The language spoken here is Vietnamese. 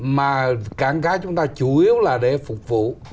mà cảng cá chúng ta chủ yếu là để phục vụ